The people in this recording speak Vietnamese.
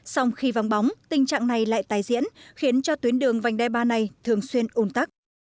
xong khi vắng bóng tình trạng này lại tái diễn khiến cho tuyến đường vành đai ba này thường xuyên ồn tắc